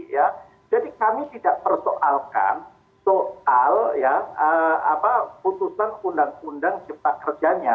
jadi kami tidak persoalkan soal putusan undang undang jepak kerjanya